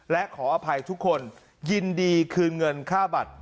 และขออภัยทุกคนยินดีคืนเงินค่าบัตร